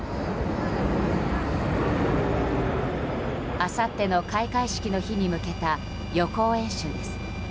あさっての開会式の日に向けた予行演習です。